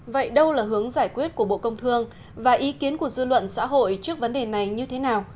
vậy đâu là hướng giải quyết của bộ công thương và ý kiến của dư luận xã hội trước vấn đề này như thế nào